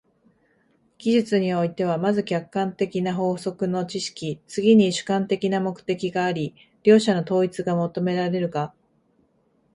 技術においては、まず客観的な法則の知識、次に主観的な目的があり、両者の統一が求められるが、